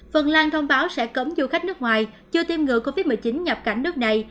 phần lan thông báo sẽ cấm du khách nước ngoài chưa tiêm ngừa covid một mươi chín nhập cảnh nước này